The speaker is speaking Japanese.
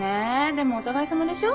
でもお互いさまでしょ？